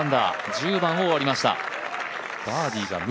１０番を終わりました。